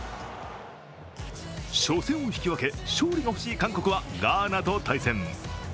初戦を引き分け、勝利が欲しい韓国はガーナと対戦。